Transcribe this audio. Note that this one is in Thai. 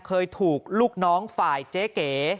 เคยถูกลูกน้องฝ่ายเจ๊เก๋